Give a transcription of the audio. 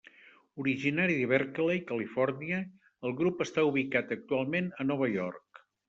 Originari de Berkeley, Califòrnia, el grup està ubicat actualment a Nova York.